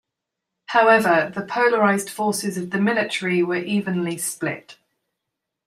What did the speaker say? However, the polarized forces of the military were evenly split.